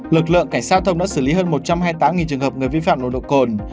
lực lượng cảnh sát giao thông đã xử lý hơn một trăm hai mươi tám trường hợp người vi phạm nồng độ cồn